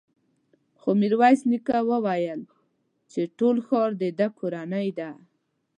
خو ميرويس نيکه وويل چې ټول ښار د ده کورنۍ ده.